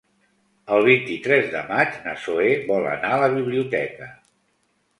El vint-i-tres de maig na Zoè vol anar a la biblioteca.